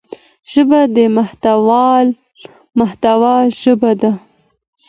ژبه د محتوا ژبه ده